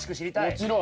もちろん。